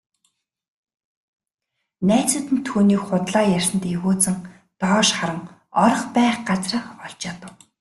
Найзууд нь түүнийг худлаа ярьсанд эвгүйцэн доош харан орох байх газраа олж ядав.